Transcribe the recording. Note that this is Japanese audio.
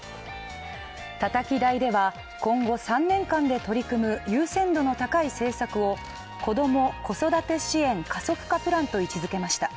たたき台では、今後３年間で取り組む優先度の高い政策を子ども・子育て支援加速化プランと位置づけました。